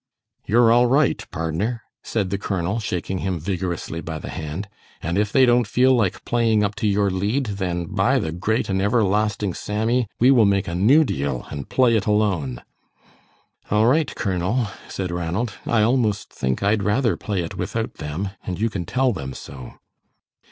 "You're all right, pardner," said the colonel, shaking him vigorously by the hand, "and if they don't feel like playing up to your lead, then, by the great and everlasting Sammy, we will make a new deal and play it alone!" "All right, Colonel," said Ranald; "I almost think I'd rather play it without them and you can tell them so."